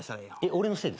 俺のせいですか？